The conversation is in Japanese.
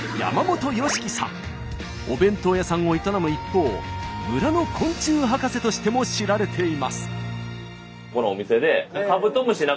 お弁当屋さんを営む一方「村の昆虫博士」としても知られています。